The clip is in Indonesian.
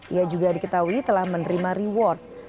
ia juga diketahui telah menerima reward